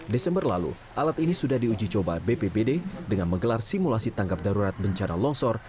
desember lalu alat ini sudah diuji coba bpbd dengan menggelar simulasi tanggap darurat bencana longsor